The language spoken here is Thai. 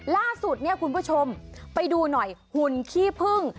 ล่าสุดเนี่ยคุณผู้ชมไปดูหน่อยหุ่นขี้พึ่ง